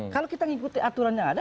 kalau kita mengikuti aturan yang ada